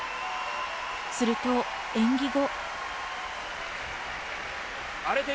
すると演技後。